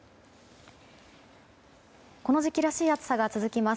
この時期らしい暑さが続きます。